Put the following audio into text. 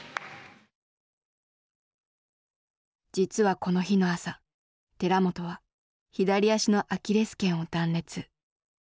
実はこの日の朝寺本は左足のアキレス腱を断裂。